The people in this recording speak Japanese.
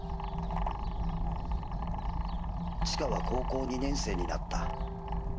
「千華は高校２年生になった」